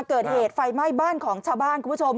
เกิดเหตุไฟไหม้บ้านของชาวบ้านคุณผู้ชม